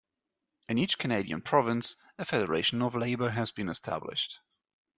In each Canadian province a federation of labour has been established.